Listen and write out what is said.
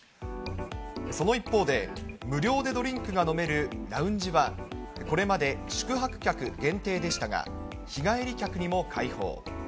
その一方で、無料でドリンクが飲めるラウンジは、これまで宿泊客限定でしたが、日帰り客にも開放。